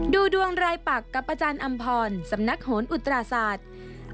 ดูดวงรายปักกับอาจารย์อำพรสำนักโหนอุตราศาสตร์